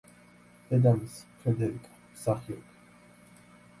დედამისი, ფრედერიკა, მსახიობი.